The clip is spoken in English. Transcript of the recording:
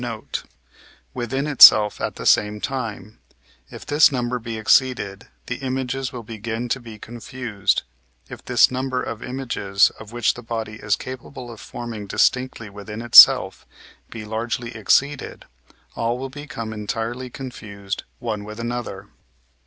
note) within itself at the same time; if this number be exceeded, the images will begin to be confused; if this number of images, of which the body is capable of forming distinctly within itself, be largely exceeded, all will become entirely confused one with another.